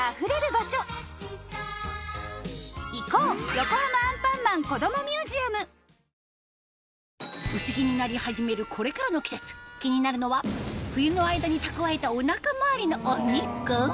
ゾンビ臭に新「アタック抗菌ＥＸ」薄着になり始めるこれからの季節気になるのは冬の間に蓄えたお腹周りのお肉